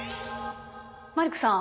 マリックさん